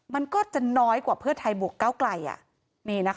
มันก็จะน้อยกว่าเพื่อไทยบวกเก้าไกล